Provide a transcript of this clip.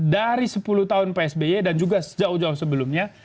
dari sepuluh tahun psby dan juga jauh jauh sebelumnya